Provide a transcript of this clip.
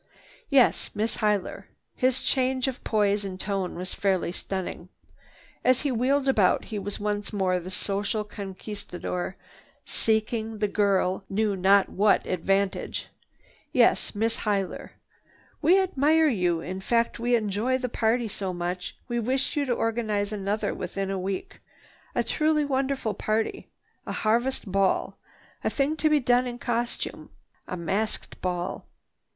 "Yes, Miss Huyler." His change of poise and tone was fairly stunning. As he wheeled about he was once more the social conquistador, seeking, the girl knew not what advantage. "Yes, Miss Huyler, we admire you. In fact we enjoyed the party so much we wish you to organize another within a week, a truly wonderful party, a harvest ball. A thing to be done in costume, a masked ball."